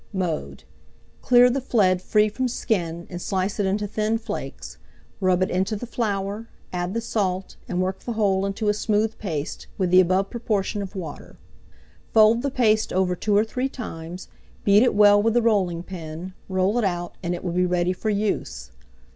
Mode. Clear the flead free from skin, and slice it into thin flakes; rub it into the flour, add the salt, and work the whole into a smooth paste, with the above proportion of water; fold the paste over two or three times, beat it well with the rolling pin, roll it out, and it will be ready for use.